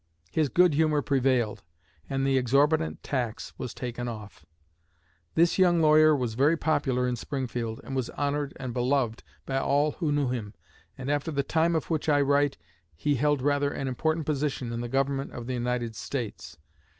His good humor prevailed, and the exorbitant tax was taken off. This young lawyer was very popular in Springfield, and was honored and beloved by all who knew him; and after the time of which I write he held rather an important position in the Government of the United States.